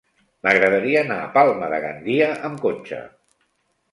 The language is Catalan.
M'agradaria anar a Palma de Gandia amb cotxe.